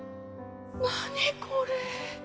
何これ。